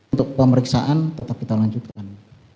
untuk pemeriksaan tetap kita lanjutkan